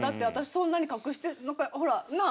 そんなに隠してほらなぁ。